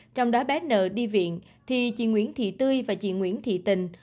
trong đó bé nợ đi viện thì chị nguyễn thị tươi và chị nguyễn thị tình